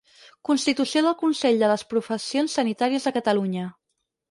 Constitució del Consell de les Professions Sanitàries de Catalunya.